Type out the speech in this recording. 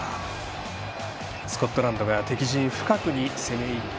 スコットランドが敵陣深くに攻め入って